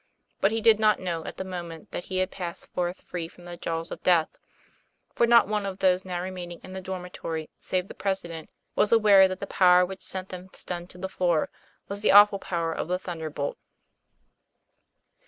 But he did not know at the moment that he had passed forth free from the jaws of death; for not one of those now remaining in the dormitory, save the President, was aware that the power which sent them stunned to the floor was the awful power of the thunderbolt.